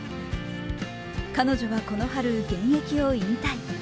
彼女はこの春、現役を引退。